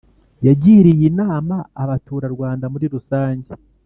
Yagiriye inama abaturarwanda muri rusange